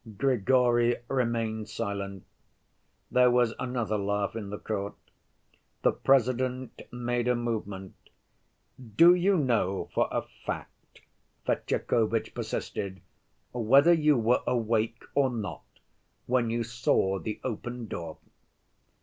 Grigory remained silent. There was another laugh in the court. The President made a movement. "Do you know for a fact," Fetyukovitch persisted, "whether you were awake or not when you saw the open door?"